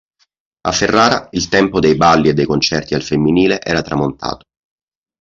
A Ferrara, il tempo dei balli e dei concerti "al femminile" era tramontato.